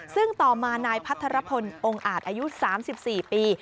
ซึ่งต่อมานายพัทรพลองค์อาจอายุ๓๔ปี